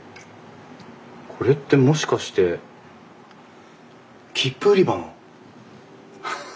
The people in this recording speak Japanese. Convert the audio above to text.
これってもしかして切符売り場の？